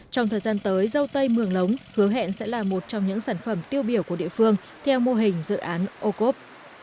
trong thời gian tới dâu tây mường lống hứa hẹn sẽ là một trong những sản phẩm tiêu biểu của địa phương theo mô hình dự án ô cốp